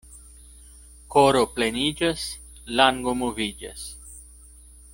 Koro pleniĝas — lango moviĝas.